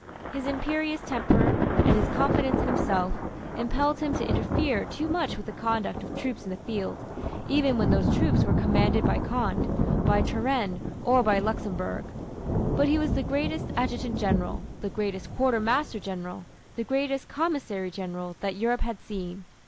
His imperious temper and his confidence in himself impelled him to interfere too much with the conduct of troops in the field, even when those troops were commanded by Conde, by Turenne or by Luxemburg. But he was the greatest Adjutant General, the greatest Quartermaster General, the greatest Commissary General, that Europe had seen.